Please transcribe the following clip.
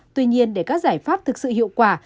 tuy nhiên để các giải pháp thực sự hiệu quả